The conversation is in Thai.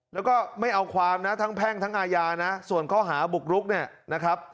แล้วก็ไม่เอาความนะทั้งแพ่งทั้งอาญานะส่วนข้อหาบุกรุกเนี่ยนะครับ